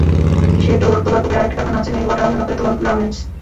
সেই তোবা গ্রুপের আরেকটি কারখানা আছে মেরুল বাড্ডার আনন্দনগরে, তোবা গার্মেন্টস।